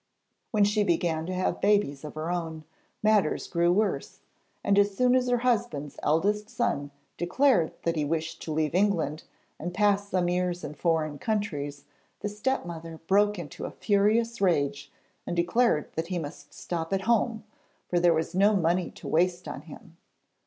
When she began to have babies of her own, matters grew worse, and as soon as her husband's eldest son declared that he wished to leave England and pass some years in foreign countries, the stepmother broke into a furious rage, and declared that he must stop at home, for there was no money to waste on him.